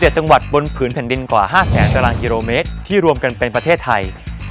๗จังหวัดบนผืนแผ่นดินกว่า๕แสนตารางกิโลเมตรที่รวมกันเป็นประเทศไทย